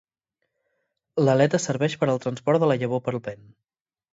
L'aleta serveix per al transport de la llavor pel vent.